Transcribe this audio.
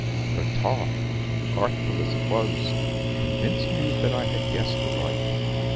"Her talk, artful as it was, convinced me that I had guessed aright.